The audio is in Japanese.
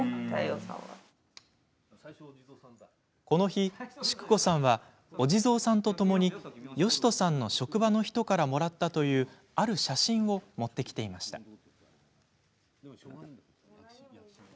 この日、淑子さんはお地蔵さんとともに良人さんの職場の人からもらったというある写真を持ってきていました。